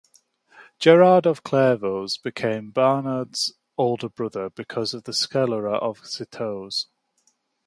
Gerard of Clairvaux, Bernard's older brother, became the cellarer of Citeaux.